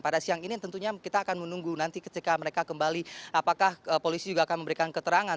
pada siang ini tentunya kita akan menunggu nanti ketika mereka kembali apakah polisi juga akan memberikan keterangan